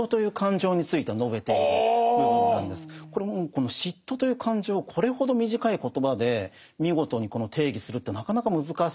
この嫉妬という感情をこれほど短い言葉で見事に定義するってなかなか難しいと思うんですね。